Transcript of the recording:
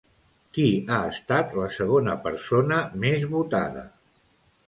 Qui ha estat la segona persona més votada?